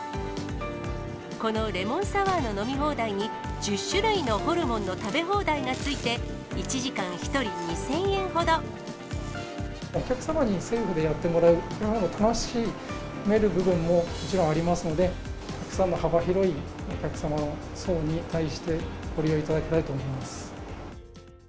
このレモンサワーの飲み放題に、１０種類のホルモンの食べ放題が付いて、１時間１人２０００円ほお客様にセルフでやってもらう、楽しめる部分ももちろんありますので、たくさんの幅広いお客様の層に対してご利用いただきたいと思いま